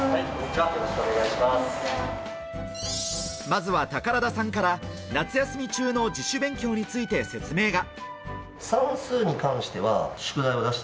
まずは宝田さんから夏休み中の自主勉強について説明が。